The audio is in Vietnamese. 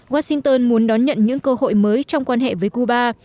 washington muốn đón nhận những cơ hội mới trong quan hệ với cuba